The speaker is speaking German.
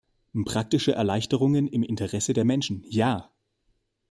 Praktische Erleichterungen im Interesse der Menschen, ja!